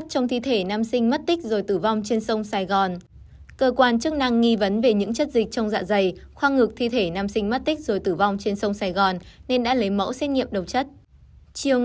các bạn hãy đăng ký kênh để ủng hộ kênh của chúng mình nhé